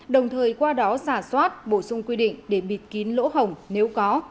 đồng thời qua đó giả soát bổ sung quy định để bịt kín lỗ hồng nếu có